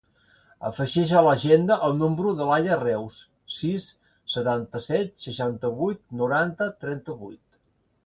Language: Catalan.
Afegeix a l'agenda el número de l'Aya Reus: sis, setanta-set, seixanta-vuit, noranta, trenta-vuit.